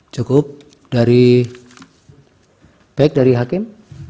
cukup dari baik dari hakim